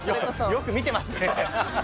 よく見てますねー。